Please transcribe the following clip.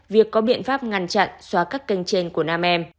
việc có biện pháp ngăn chặn xóa các kênh trên của nam em